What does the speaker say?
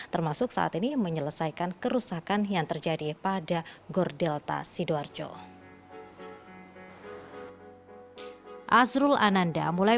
termasuk saat ini menyelesaikan kerusakan yang terjadi pada gor delta sidoarjo azrul ananda mulai